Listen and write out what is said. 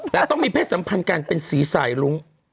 แต่ต้องมีเพศสัมพันธ์กันเป็นสีสายลุ้ง